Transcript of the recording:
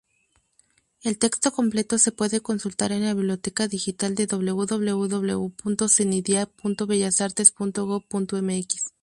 El texto completo se puede consultar en la Biblioteca Digital de www.cenidiap.bellasartes.gob.mx.